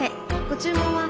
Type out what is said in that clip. ご注文は？